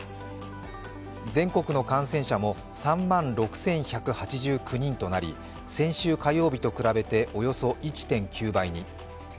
全国の感染者も３万６１８９人となり、先週火曜日と比べておよそ１．９倍に。